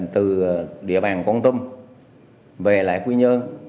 từ địa bàn con tum về lại quy nhơn